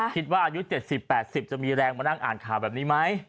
คิดว่าอายุ๗๐๘๐จะมีแรงมานั่งอ่านข่าวแบบนี้ไหม